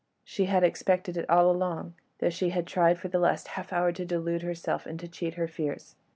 She had expected it all along, though she had tried for the last half hour to delude herself and to cheat her fears.